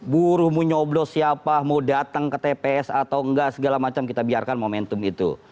buruh mau nyoblos siapa mau datang ke tps atau enggak segala macam kita biarkan momentum itu